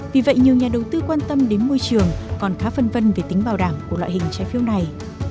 vì vậy nhiều nhà đầu tư quan tâm đến môi trường còn khá phân vân về tính bảo đảm của loại hình trái phiếu này